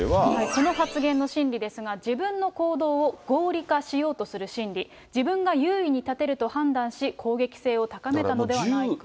この発言の心理ですが、自分の行動を合理化しようとする心理、自分が優位に立てると判断し、攻撃性を高めたのではないか。